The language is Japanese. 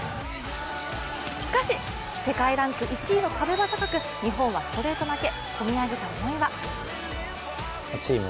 しかし世界ランク１位の壁は高く日本はストレート負け。